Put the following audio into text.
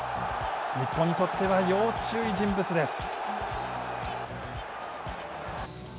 日本にとっては要注意人物です。